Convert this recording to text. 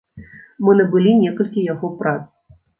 Мы набылі некалькі яго прац.